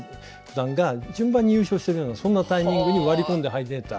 段が順番に優勝してるようなそんなタイミングに割り込んで入れた。